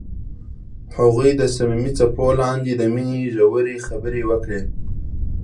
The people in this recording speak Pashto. هغوی د صمیمي څپو لاندې د مینې ژورې خبرې وکړې.